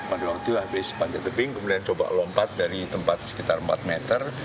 pada waktu habis pantai teping kemudian coba lompat dari tempat sekitar empat meter